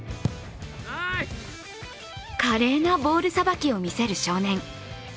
華麗なボールさばきを見せる少年。